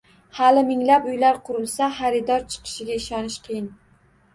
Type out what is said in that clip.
Hali minglab uylar qurilsa, xaridor chiqishiga ishonish qiyin.